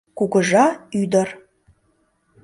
Кугыжа ӱдыр.